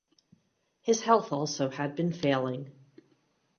His health also had been failing.